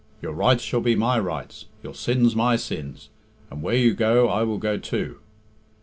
Your rights shall be my rights, your sins my sins, and where you go I will go too."